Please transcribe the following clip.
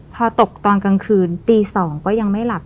พอตกตอนกลางคืนตี๒ก็ยังไม่หลับ